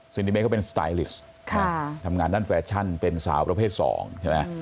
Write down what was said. นิเมเขาเป็นสไตลิสต์ทำงานด้านแฟชั่นเป็นสาวประเภท๒ใช่ไหม